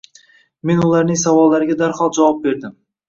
Men ularning savollariga darhol javob berdim.